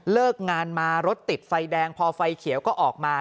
เลิกงานมารถติดไฟแดงพอไฟเขียวก็ออกมา